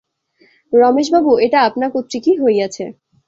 রমেশবাবু, এটা আপনা কর্তৃকই হইয়াছে।